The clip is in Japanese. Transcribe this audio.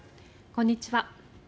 こんにちは。